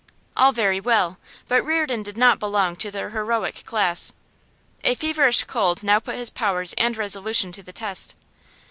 All very well, but Reardon did not belong to the heroic class. A feverish cold now put his powers and resolution to the test.